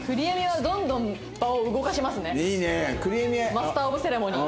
マスターオブセレモニー。